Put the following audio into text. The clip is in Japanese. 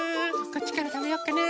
こっちからたべようかな。